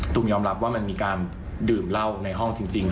ยอมรับว่ามันมีการดื่มเหล้าในห้องจริง